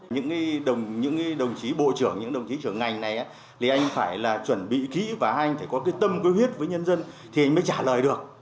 những đồng chí bộ trưởng những đồng chí trưởng ngành này thì anh phải là chuẩn bị kỹ và anh phải có cái tâm quyết với nhân dân thì anh mới trả lời được